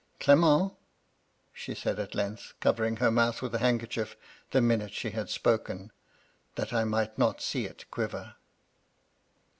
"* Clement ?' she said at length, covering her mouth with a handkerchief the minute she had spoken, that I might not see it quiver.